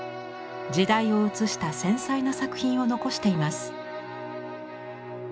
時代を映した繊細な作品を残しています。